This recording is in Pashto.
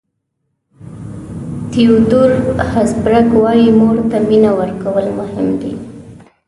تیودور هسبرګ وایي مور ته مینه ورکول مهم دي.